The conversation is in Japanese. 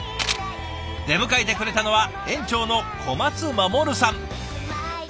出迎えてくれたのは園長の小松守さん。